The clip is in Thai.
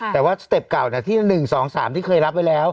แต่ว่าสเต็ปเก่าที่๑๒๓ที่เคยรับไว้แล้ว